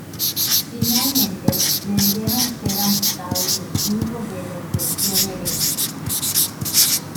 Finalmente, le debieron ser amputados los cinco dedos del pie derecho.